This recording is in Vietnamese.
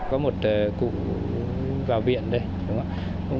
có một cụ vào viện đây đúng không ạ